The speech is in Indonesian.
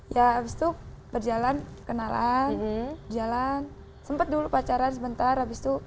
ya abis itu berjalan kenalan jalan sempat dulu pacaran sebentar habis itu